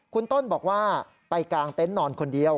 คุณต้นบอกว่าไปกางเต็นต์นอนคนเดียว